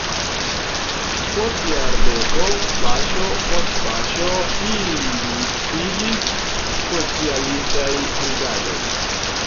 Post jardeko paŝo post paŝo ili iĝis "socialistaj brigadoj".